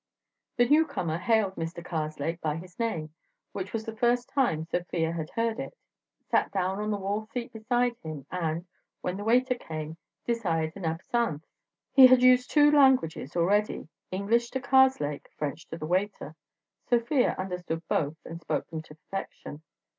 The newcomer hailed Mr. Karslake by his name (which was the first time Sofia had heard it), sat down on the wall seat beside him and, when the waiter came, desired an absinthe. He had used two languages already, English to Karslake, French to the waiter; Sofia understood both and spoke them to perfection.